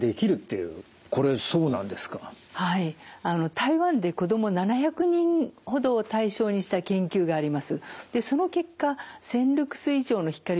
台湾で子ども７００人ほどを対象にした研究があります。